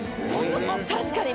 確かに！